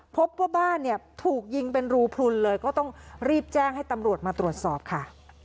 พบว่าบ้านเนี่ยถูกยิงเป็นรูพลุนเลยก็ต้องรีบแจ้งให้ตำรวจมาตรวจสอบค่ะ